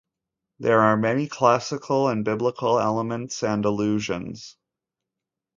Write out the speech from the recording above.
There are many classical and Biblical elements and allusions.